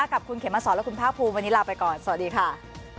กับคุณเขมสอนและคุณภาคภูมิวันนี้ลาไปก่อนสวัสดีค่ะ